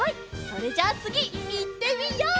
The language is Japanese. それじゃあつぎいってみよう！